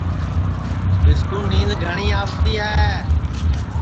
مِسکُو نِینٚدؔ گھٹؔی آوتی ہے